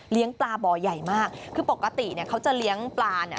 ปลาบ่อใหญ่มากคือปกติเนี่ยเขาจะเลี้ยงปลาเนี่ย